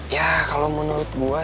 ya kalau menurut gua sih